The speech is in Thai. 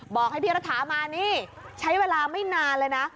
บอกให้พี่รัฐามานี่ใช้เวลาไม่นานเลยนะ